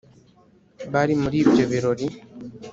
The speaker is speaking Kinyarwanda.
Bari muri ibyo birori .